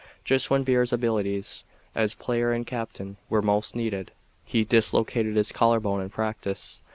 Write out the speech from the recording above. Just when Burr's abilities as player and captain were most needed he dislocated his collar bone in practice.